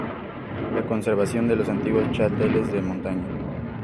La conservación de los antiguos chalets de montaña.